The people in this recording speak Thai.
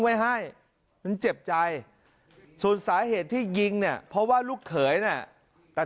ไว้ให้มันเจ็บใจส่วนสาเหตุที่ยิงเนี่ยเพราะว่าลูกเขยเนี่ยตัด